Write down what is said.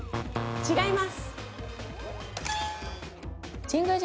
違います。